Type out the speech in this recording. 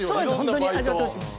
ホントに味わってほしいです。